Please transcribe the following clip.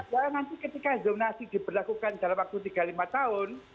karena nanti ketika insaminasi diberlakukan dalam waktu tiga lima tahun